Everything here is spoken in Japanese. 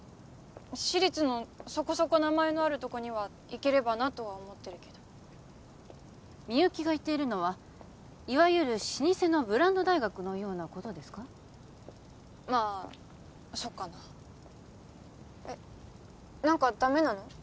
私立のそこそこ名前のあるとこには行ければなとは思ってるけどみゆきが言っているのはいわゆる老舗のブランド大学のようなことですかまあそっかなえっ何かダメなの？